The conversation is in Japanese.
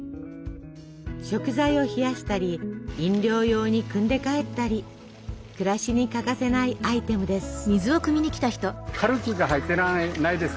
食材を冷やしたり飲料用にくんで帰ったり暮らしに欠かせないアイテムです。